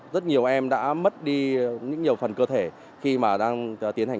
rất nhiều em đã mất đi nhiều phần cơ thể khi mà đang tiến hành